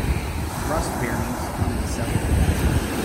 Thrust bearings come in several varieties.